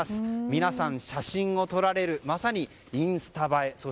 皆さん、写真を撮られるまさにインスタ映え。